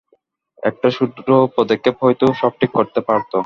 একটা ছোট্ট পদক্ষেপ হয়তো সব ঠিক করতে পারতো।